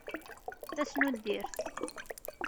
Tasnuddirt.